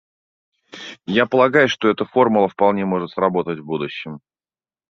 Я полагаю, что эта формула вполне может сработать в будущем.